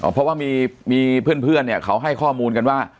เพราะว่ามีเพื่อนเนี่ยเขาให้ข้อมูลกันว่า